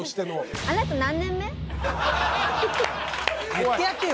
言ってやってよ。